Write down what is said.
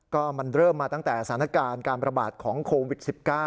ก็มันเริ่มมาตั้งแต่สถานการณ์การประบาดของโควิด๑๙